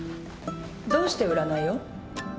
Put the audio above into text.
どうして占いを？